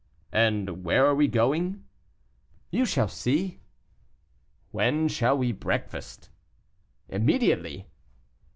"And where are we going?" "You shall see." "When shall we breakfast?" "Immediately."